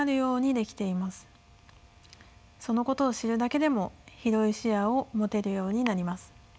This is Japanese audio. そのことを知るだけでも広い視野を持てるようになります。